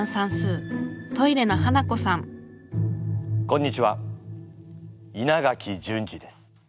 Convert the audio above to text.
こんにちは稲垣淳二です。